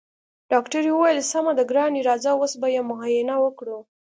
ډاکټرې وويل سمه ده ګرانې راځه اوس به يې معاينه کړو.